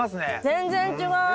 全然違う。